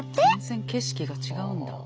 全然景色が違うんだ。